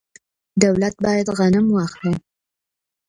دولت باید غنم واخلي.